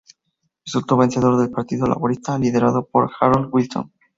Resulto vencedor el Partido Laborista liderado por Harold Wilson.